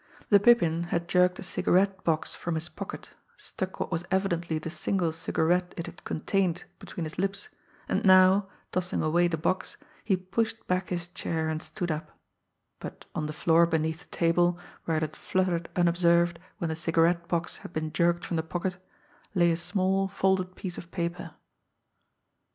The Pippin had jerked a cigarette box from his pocket, stuck what was evidently the single cigarette it had contained between his lips; and now, tossing away the box, he pushed back his chair and stood up but on the floor beneath the table, where it had fluttered unobserved when the cigarette box had been jerked from the pocket, lay a small folded piece of paper.